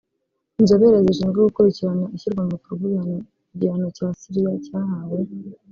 Inzobere zishinzwe gukurikirana ishyirwa mu bikorwa ibihano igihugu cya Syria cyahawe